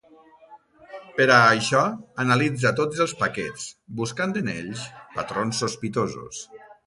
Per a això, analitza tots els paquets, buscant en ells patrons sospitosos.